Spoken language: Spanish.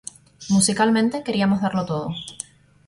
Musicalmente, queríamos darlo todo.